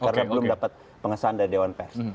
karena belum dapat pengesahan dari dewan pers